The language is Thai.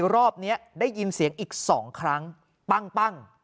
รอบนี้ได้ยินเสียงอีก๒ครั้งปั้ง